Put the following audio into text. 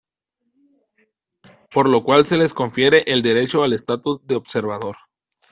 Por lo cual se les confiere el derecho al estatus de observador.